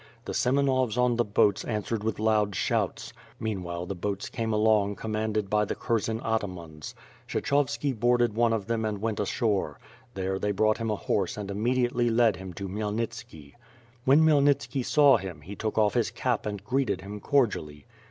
The Sem enovs on the boats answered with loud shouts. Mean while the boats came along commanded by the Kurzen ata mans. .Kshechovski boarded one of them and went ashore. There, they brought him a horse and immediately led him to Khmyelnitski. When Khmyelnitski saw him, he took off his cap and greeted him cordially.